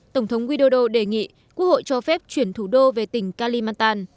tổng thống widodo đề nghị quốc hội cho phép chuyển thủ đô về tỉnh kalimantan